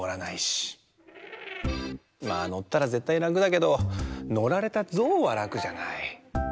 まあのったらぜったいらくだけどのられたぞうはらくじゃない。